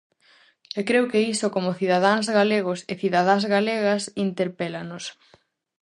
E creo que iso, como cidadáns galegos e cidadás galegas, interpélanos.